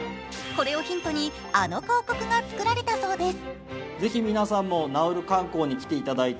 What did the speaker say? これをヒントにあの広告が作られたそうです。